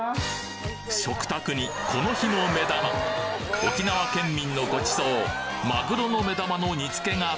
食卓にこの日の目玉沖縄県民のご馳走が登場！